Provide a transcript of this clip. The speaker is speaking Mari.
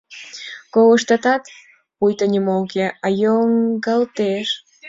Колыштатат, — пуйто нимо уке, а йоҥгалтеш.